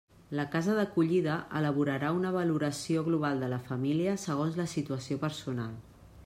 La casa d'acollida elaborarà una valoració global de la família, segons la situació personal.